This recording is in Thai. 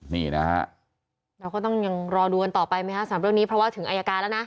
นี่นะฮะเราก็ต้องยังรอดูกันต่อไปไหมฮะสำหรับเรื่องนี้เพราะว่าถึงอายการแล้วนะ